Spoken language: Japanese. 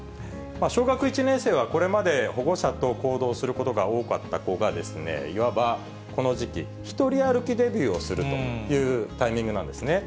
小学１年生は、これまで保護者と行動することが多かった子がですね、いわばこの時期、一人歩きデビューをするというタイミングなんですね。